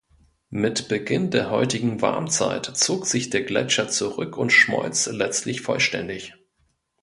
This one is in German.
Mit Beginn der heutigen Warmzeit zog sich der Gletscher zurück und schmolz letztlich vollständig.